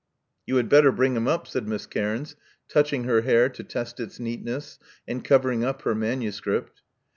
You had better bring him up," said Miss Cairns, touching her hair to test its neatness, and' covering up her manuscript.